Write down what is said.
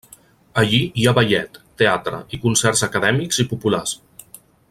Allí hi ha ballet, teatre i concerts acadèmics i populars.